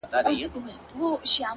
ژوند سرینده نه ده، چي بیا یې وږغوم،